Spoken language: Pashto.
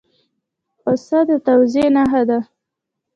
پسه د تواضع نښه ده.